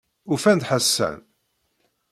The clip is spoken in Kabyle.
Ufan-d Ḥasan.